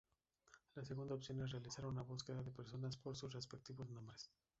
La segunda opción es realizar una búsqueda de personas por sus respectivos nombres.